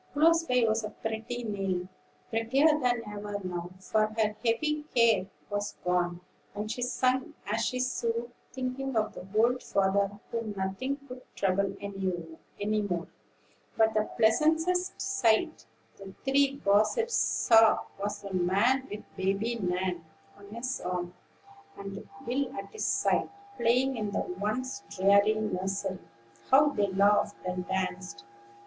Close by was pretty Nell, prettier than ever now; for her heavy care was gone, and she sung as she sewed, thinking of the old father, whom nothing could trouble any more. But the pleasantest sight the three gossips saw was the man with Baby Nan on his arm and Will at his side, playing in the once dreary nursery. How they laughed and danced!